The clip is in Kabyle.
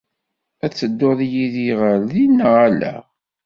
Ad tedduḍ yid-i ɣer din neɣ ala?